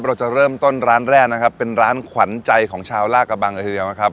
เราจะเริ่มต้นร้านแรกนะครับเป็นร้านขวัญใจของชาวลากระบังเลยทีเดียวนะครับ